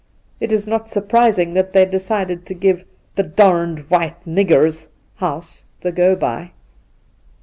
It is not surprising t^hat they decided to give 'the d d white nigger's ' house the ' go by.'